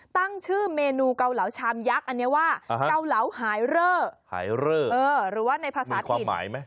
ตั้งชื่อเมนูเกาเหลาชามยักษ์อันนี้ว่าเกาเหลาหายเรอหายเรอหรือว่าในภาษาจีนหมายไหม